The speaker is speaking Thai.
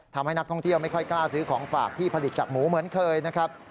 ทำให้นักท่องเที่ยวไม่ค่อยกล้าซื้อของฝากที่ผลิตจากหมูเหมือนเคยนะครับ